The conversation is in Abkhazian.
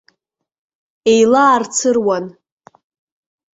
Еилаарцыруан.